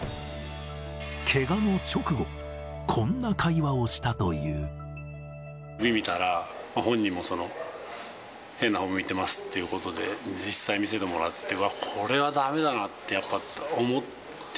けがの直後、指を見たら、本人も変なほう向いてますっていうことで、実際見せてもらって、うわっ、これはだめだなってやっぱ思って。